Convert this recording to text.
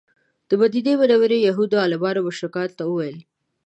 د مدینې منورې یهودي عالمانو مشرکانو ته وویل.